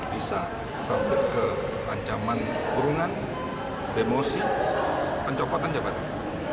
bisa sampai ke ancaman kurungan demosi pencopotan jabatan